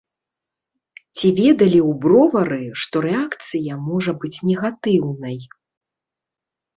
Ці ведалі ў бровары, што рэакцыя можа быць негатыўнай?